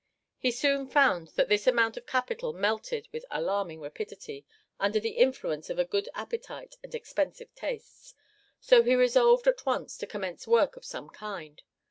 He soon found that this amount of capital melted with alarming rapidity under the influence of a good appetite and expensive tastes, so he resolved at once to commence work of some kind.